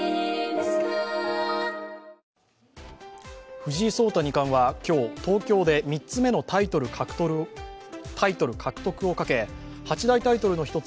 藤井聡太二冠は今日、東京で３つ目のタイトル獲得をかけ八大タイトルの一つ